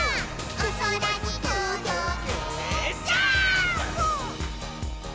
「おそらにとどけジャンプ！！」